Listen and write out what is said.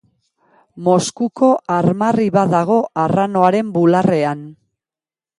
Moskuko armarri bat dago arranoaren bularrean.